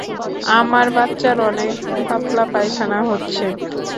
আমার বাচ্চার অনেক পাতলা পায়খানা হচ্ছে।